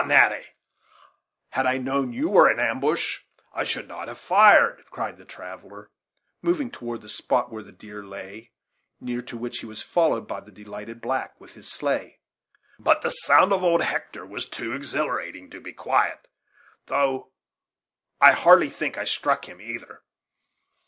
Natty, had I known you were in ambush, I should not have fired," cried the traveller, moving toward the spot where the deer lay near to which he was followed by the delighted black, with his sleigh; "but the sound of old Hector was too exhilarating to be quiet; though I hardly think I struck him, either."